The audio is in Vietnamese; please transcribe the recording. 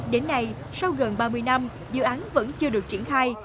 đến nay sau gần ba mươi năm dự án vẫn chưa được triển khai